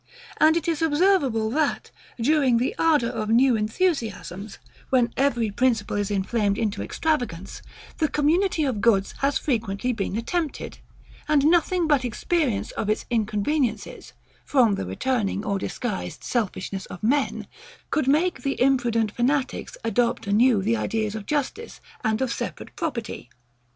And it is observable, that, during the ardour of new enthusiasms, when every principle is inflamed into extravagance, the community of goods has frequently been attempted; and nothing but experience of its inconveniencies, from the returning or disguised selfishness of men, could make the imprudent fanatics adopt anew the ideas of justice and of separate property.